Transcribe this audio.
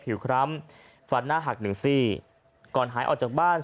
คล้ำฟันหน้าหักหนึ่งซี่ก่อนหายออกจากบ้าน